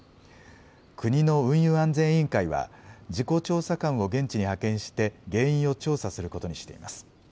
国の運輸安全委員会は、事故調査官を現地に派遣して、原因を調査することにしています。